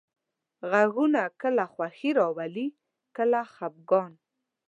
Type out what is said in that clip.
غږونه کله خوښي راولي، کله خپګان.